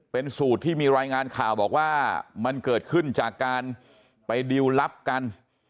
เป็นสูตรที่มีรายงานข่าวบอกว่ามันเกิดขึ้นจากการไปดิวลลับกัน